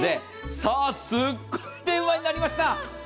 さあ、すっごい電話になりました。